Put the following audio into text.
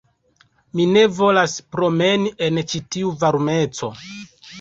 Mi ne volas promeni en ĉi tiu varmeco